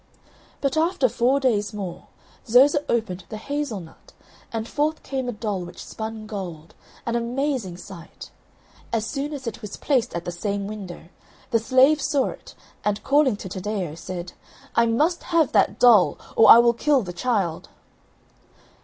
But after four days more, Zoza opened the hazel nut, and forth came a doll which spun gold an amazing sight. As soon as it was placed at the same window, the Slave saw it and, calling to Taddeo, said, "I must have that doll, or I will kill the child."